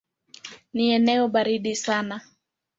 Ni eneo baridi sana.